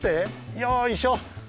よいしょ。